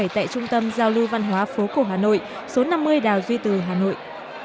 tại trung tâm giao lưu văn hóa phố cổ hà nội số năm mươi đào duy từ hà nội